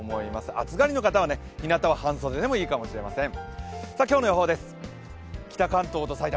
暑がりの方はひなたは半袖でいいかもしれません。